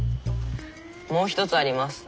もう一つあります。